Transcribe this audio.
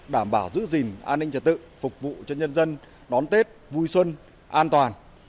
đảm bảo giữ gìn an ninh trật tự phục vụ cho nhân dân đón tết vui xuân an toàn